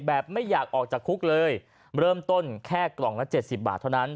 ไม่อยากออกจากคุกเลยเริ่มต้นแค่กล่องละ๗๐บาทเท่านั้น